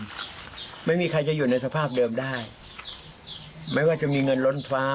ไม่มีใครจะอยู่ในสภาพเดิมได้ไม่ว่าจะมีเงินล้นฟ้า